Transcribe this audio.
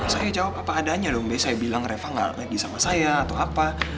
saya jawab apa adanya dong deh saya bilang reva gak lagi sama saya atau apa